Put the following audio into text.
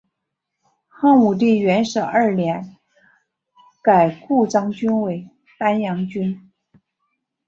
汉武帝元狩二年改故鄣郡为丹阳郡。